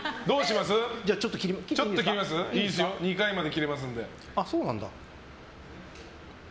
２回まで切れますので。